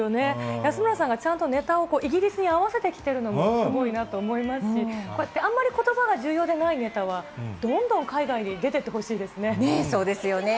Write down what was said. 安村さんがちゃんとネタをイギリスに合わせてきてるのも、すごいなと思いますし、あんまりことばが重要でないネタは、どんどん海外に出てってほしそうですよね。